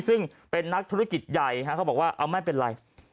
ซึ่งนักธุรกิจใหญ่เค้าบอกว่ามไม่เป็นไร